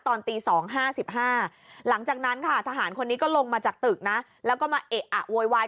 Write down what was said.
ตอนตี๒๕๕หลังจากนั้นค่ะทหารคนนี้ก็ลงมาจากตึกนะแล้วก็มาเอะอะโวยวาย